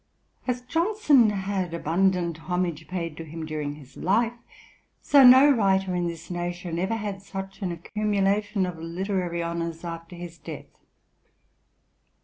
As Johnson had abundant homage paid to him during his life, so no writer in this nation ever had such an accumulation of literary honours after his death.